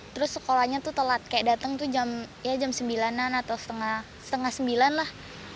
terus sekolahnya tuh telat kayak datang tuh jam sembilan an atau setengah sembilan lah